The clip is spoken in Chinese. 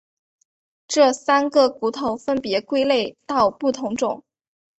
这三个头骨分别归类到不同种。